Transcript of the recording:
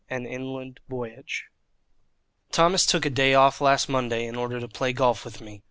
AN INLAND VOYAGE Thomas took a day off last Monday in order to play golf with me.